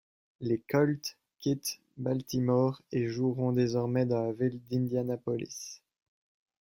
Les Colts quittent Baltimore et joueront désormais dans la ville d'Indianapolis.